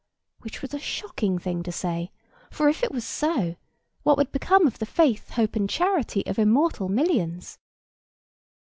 Which was a shocking thing to say; for, if it were so, what would become of the faith, hope, and charity of immortal millions?